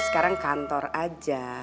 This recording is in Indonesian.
kan kantor aja